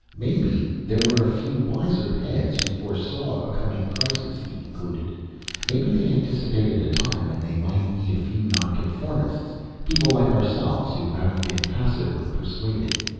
"Maybe there were a few wiser heads who foresaw a coming crisis," he concluded. "Maybe they anticipated a time when they might need a few nonconformists. People like ourselves who haven't been passive or persuaded.